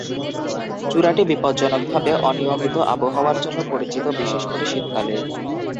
চূড়াটি বিপজ্জনকভাবে অনিয়মিত আবহাওয়ার জন্য পরিচিত, বিশেষ করে শীতকালে।